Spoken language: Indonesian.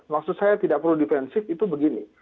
maksud saya tidak perlu defensif itu begini